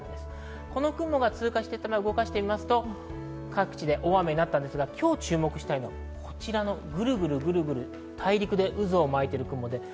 この雲が通過して動かしてみると、各地で大雨になったんですが今日、注目したいのはこちらのグルグルと大陸で渦を巻いている雲です。